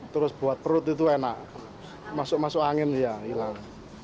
terus buat perut itu enak masuk masuk angin ya hilal